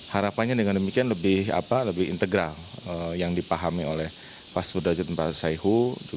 harapannya dengan demikian lebih integral yang dipahami oleh pak sudhajit mbak sayhu